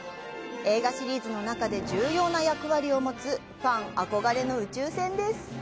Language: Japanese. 映画シリーズの中で重要な役割を持つ、ファン憧れの宇宙船です。